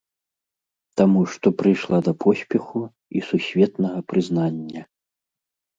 Таму што прыйшла да поспеху і сусветнага прызнання.